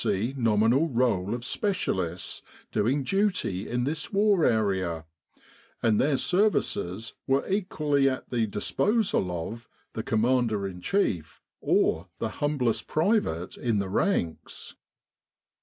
C. Nominal Roll of Specialists doing duty in this War area, and their services were equally at the disposal of the Commander in Chief or the humblest private in the ranks.